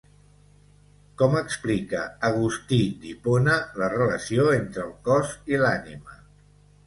Com explica Agustí d'Hipona la relació entre el cos i l'ànima?